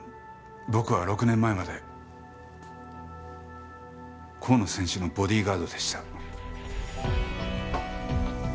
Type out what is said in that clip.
僕は６年前まで河野選手のボディーガードでした。